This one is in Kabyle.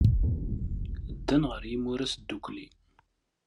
Ddan ɣer yimuras ddukkli.